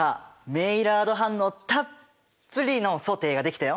メイラード反応たっぷりのソテーが出来たよ。